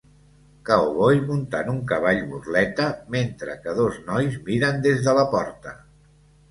Cowboy muntant un cavall burleta, mentre que dos nois miren des de la porta.